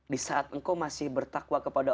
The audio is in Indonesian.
di saat engkau masih bertakwa kepada allah